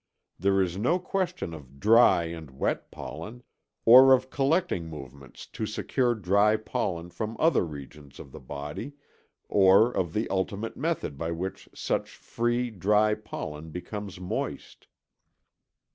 There is here no question of "dry" and "wet" pollen, or of collecting movements to secure dry pollen from other regions of the body, or of the ultimate method by which such free, dry pollen becomes moist.